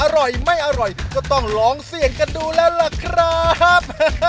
อร่อยไม่อร่อยก็ต้องลองเสี่ยงกันดูแล้วล่ะครับ